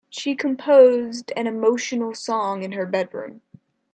She composed an emotional song in her bedroom.